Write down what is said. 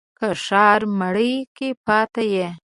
که ښار مرې که پايي.